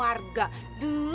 sampai dilayat sama semua warga